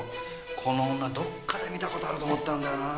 この女どっかで見た事あると思ったんだよなぁ。